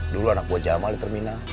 dulu anak buah jamal di terminal